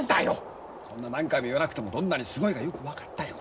そんな何回も言わなくてもどんなにすごいかよく分かったよ。